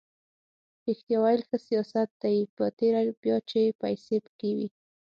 ریښتیا ویل ښه سیاست دی په تېره بیا چې پیسې پکې وي.